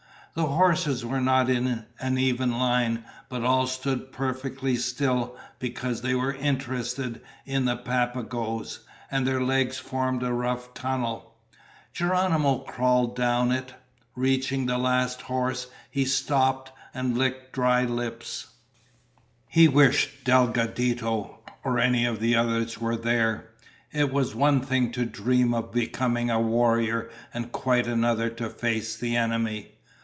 The horses were not in an even line, but all stood perfectly still because they were interested in the Papagoes, and their legs formed a rough tunnel. Geronimo crawled down it. Reaching the last horse, he stopped and licked dry lips. [Illustration: The Papagoes saw him, raised their clubs and rushed forward] He wished Delgadito or any of the others were there. It was one thing to dream of becoming a warrior and quite another to face the enemy.